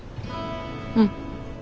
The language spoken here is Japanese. うん。